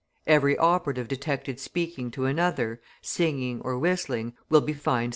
Every operative detected speaking to another, singing or whistling, will be fined 6d.